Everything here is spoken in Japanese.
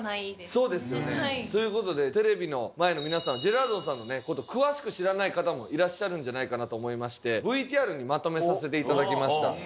そうですよね。という事でテレビの前の皆さんジェラードンさんの事詳しく知らない方もいらっしゃるんじゃないかなと思いましてＶＴＲにまとめさせて頂きました。